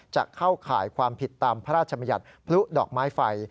จะเข้าข่ายความผิดตามพระราชมัญญัติพลุดอกไม้ไฟ